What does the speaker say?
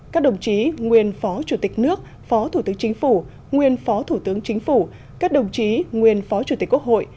các đồng chí nguyên phó chủ tịch nước phó thủ tướng chính phủ nguyên phó thủ tướng chính phủ các đồng chí nguyên phó chủ tịch quốc hội